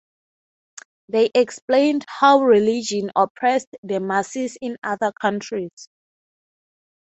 They explained how religion oppressed the masses in other countries.